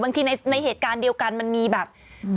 ในเหตุการณ์เดียวกันมันมีแบบ